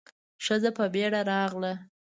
ښځه په بيړه راغله.